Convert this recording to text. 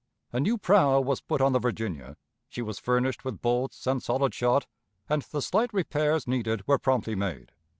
A new prow was put on the Virginia, she was furnished with bolts and solid shot, and the slight repairs needed were promptly made.